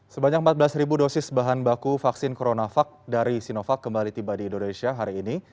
sebanyak empat belas dosis bahan baku vaksin coronavac dari sinovac kembali tiba di indonesia hari ini